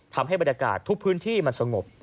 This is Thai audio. ทำให้บรรยากาศทุกพื้นที่มันสงบ